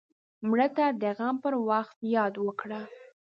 مړه ته د غم پر وخت یاد وکړه